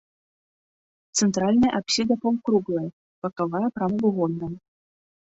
Цэнтральная апсіда паўкруглая, бакавая прамавугольная.